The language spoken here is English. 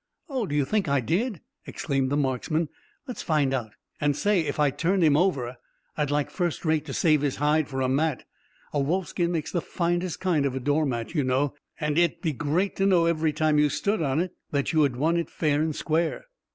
"Oh, do you think I did?" exclaimed the marksman. "Let's find out. And, say, if I turned him over, I'd like first rate to save his hide for a mat. A wolfskin makes the finest kind of a footmat, you know; and it'd be great to know every time you stood on it that you had won it fair and square."